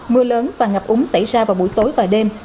mưa lớn và ngập úng xảy ra vào buổi tối và đêm